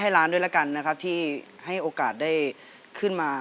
เพลงนี้อยู่ในอาราบัมชุดแรกของคุณแจ็คเลยนะครับ